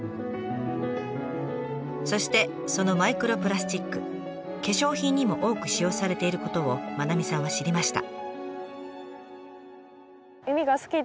そしてそのマイクロプラスチック化粧品にも多く使用されていることを真七水さんは知りました。